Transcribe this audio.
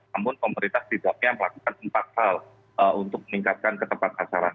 namun pemerintah tidak hanya melakukan empat hal untuk meningkatkan ketepat kasaran